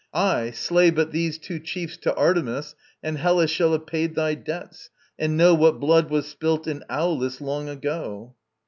Aye, slay but these two chiefs to Artemis And Hellas shall have paid thy debt, and know What blood was spilt in Aulis long ago.